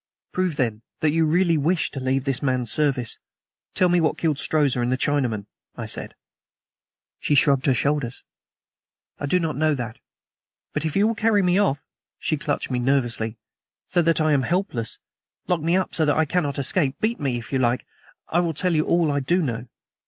"Prove, then, that you really wish to leave this man's service. Tell me what killed Strozza and the Chinaman," I said. She shrugged her shoulders. "I do not know that. But if you will carry me off" she clutched me nervously "so that I am helpless, lock me up so that I cannot escape, beat me, if you like, I will tell you all I do know.